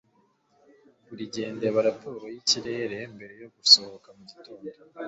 buri gihe ndeba raporo yikirere mbere yo gusohoka mugitondo